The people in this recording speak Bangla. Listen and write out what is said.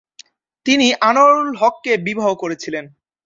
তিনি আনোয়ারুল হককে বিবাহ করেছিলেন।